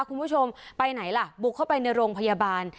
คุณผู้ชมไปไหนล่ะบุกเข้าไปในโรงพยาบาล